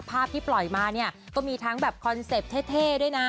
ภาพที่ปล่อยมาเนี่ยก็มีทั้งแบบคอนเซ็ปต์เท่ด้วยนะ